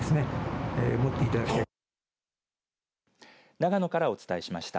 長野からお伝えしました。